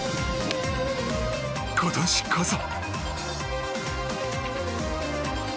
今年こそ！